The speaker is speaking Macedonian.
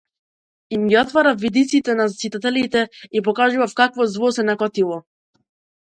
Им ги отворав видиците на читателите и покажував какво зло се накотило.